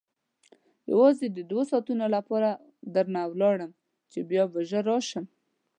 یوازې د دوو ساعتو لپاره درنه ولاړم چې بیا به ژر راشم.